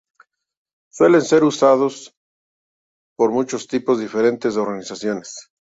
Suelen ser usadas por muchos tipos diferentes de organizaciones.